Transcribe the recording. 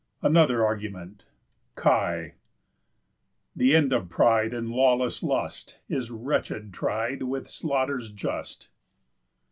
ANOTHER ARGUMENT Χι̑. The end of pride, And lawless lust, Is wretched tried With slaughters just.